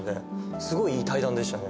すごいいい対談でしたね。